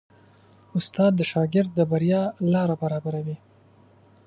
استاد د شاګرد د بریا لاره برابروي.